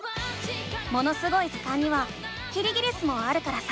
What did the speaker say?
「ものすごい図鑑」にはキリギリスもあるからさ